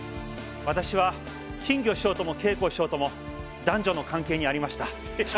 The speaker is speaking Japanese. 私は金魚師匠とも桂子師匠とも男女の関係にありました。